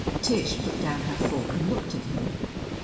Tish put down her fork and looked at him.